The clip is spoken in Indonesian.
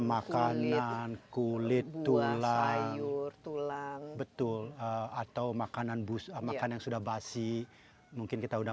makanan kulit tulai tulang betul atau makanan busa makan yang sudah basi mungkin kita sudah